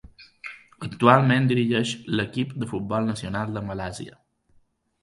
Actualment dirigeix l"equip de futbol nacional de Malàisia.